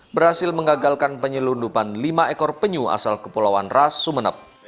berhasil mengagalkan penyelundupan lima ekor penyu asal kepulauan ras sumeneb